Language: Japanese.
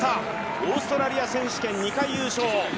オーストラリア選手権２回優勝。